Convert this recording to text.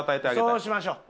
そうしましょう。